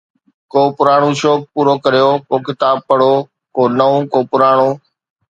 ڪو پراڻو شوق پورو ڪيو، ڪو ڪتاب پڙهو، ڪو نئون، ڪو پراڻو